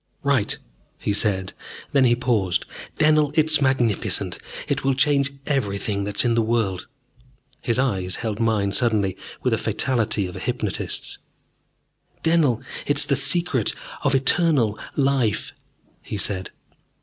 "Right," he said. Then he paused. "Dennell, it's magnificent! It will change everything that is in the world." His eyes held mine suddenly with the fatality of a hypnotist's. "Dennell, it is the Secret of Eternal Life," he said.